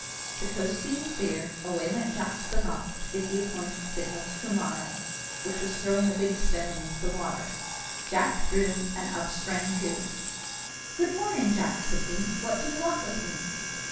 The coast being clear, away went Jack to the rock to give the appointed signal to Coomara, which was throwing a big stone into the water. Jack threw, and up sprang Coo! "Good morning, Jack," said he; "what do you want with me?"